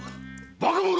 バカ者！